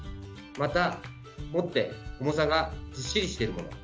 また、持って重さがずっしりしているもの。